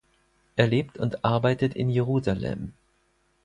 Er lebt und arbeitet in Jerusalem.